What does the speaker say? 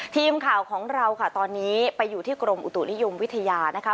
ทีมข่าวของเราค่ะตอนนี้ไปอยู่ที่กรมอุตุนิยมวิทยานะคะ